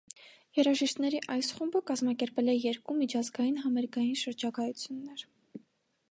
Երաժիշտների այս խումբը կազմակերպել է երկու միջազգային համերգային շրջագայություններ